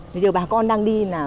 bây giờ bà con đang đi là